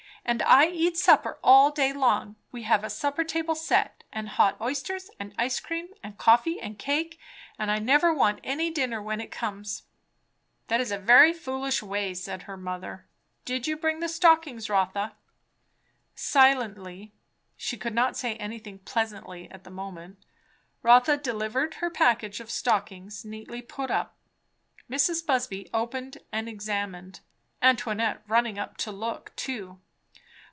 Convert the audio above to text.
And I eat supper all day long. We have a supper table set, and hot oysters, and ice cream, and coffee, and cake; and I never want any dinner when it comes." "That is a very foolish way," said her mother. "Did you bring the stockings, Rotha?" Silently, she could not say anything "pleasantly" at the moment, Rotha delivered her package of stockings neatly put up. Mrs. Busby opened and examined, Antoinette running up to look too.